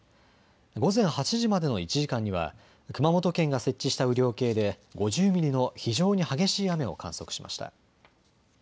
午前８時までの１時間には熊本県が設置した雨量計で５０ミリの非常に激しい雨を観測しました。